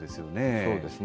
そうですね。